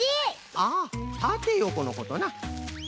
ああたてよこのことな。